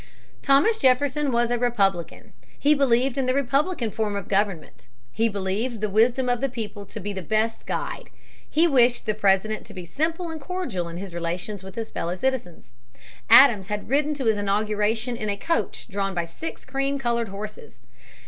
Thomas Jefferson was a Republican. He believed in the republican form of government. He believed the wisdom of the people to be the best guide. He wished the President to be simple and cordial in his relations with his fellow citizens. Adams had ridden to his inauguration in a coach drawn by six cream colored horses.